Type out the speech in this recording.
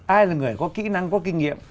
ai là người có kỹ năng có kinh nghiệm